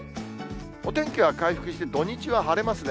お天気は回復して、土日は晴れますね。